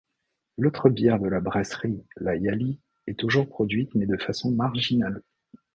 L'autre bière de la brasserie, la yali, est toujours produite mais de façon marginale.